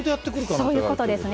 そういうことですね。